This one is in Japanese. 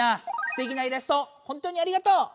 すてきなイラストほんとにありがとう！